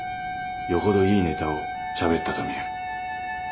よほどいいネタをしゃべったと見える。